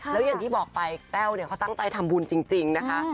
แล้วอย่างที่บอกไปแต้วเนี่ยเขาตั้งใจทำบุญจริงนะคะ